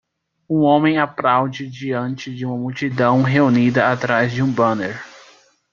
Um homem aplaude diante de uma multidão reunida atrás de um banner.